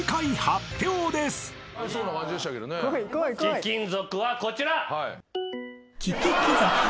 貴金属はこちら！